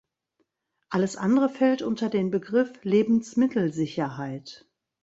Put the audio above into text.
Alles andere fällt unter den Begriff Lebensmittelsicherheit.